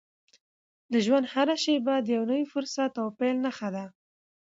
د ژوند هره شېبه د یو نوي فرصت او پیل نښه ده.